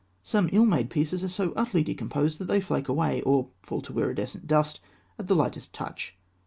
Some ill made pieces are so utterly decomposed that they flake away, or fall to iridescent dust, at the lightest touch.